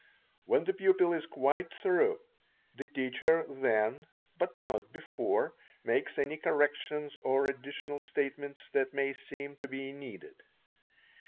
When the pupil is quite through, the teacher then, but not before, makes any corrections or additional statements that may seem to be needed.